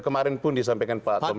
kemarin pun disampaikan pak tomm